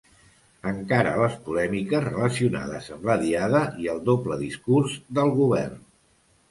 Encara les polèmiques relacionades amb la Diada i el doble discurs del govern.